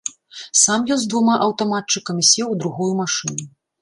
Сам ён з двума аўтаматчыкамі сеў у другую машыну.